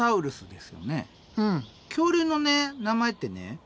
恐竜のね名前ってね○